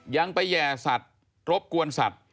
ยังไปแห่สัตว์รบกวนสัตว์